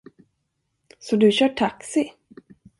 Så du kör taxi.